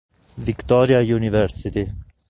Victoria University